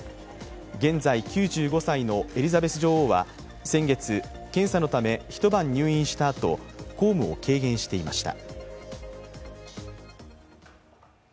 現在９５歳のエリザベス女王は先月、検査のため一晩入院したあと、公務を軽減していました。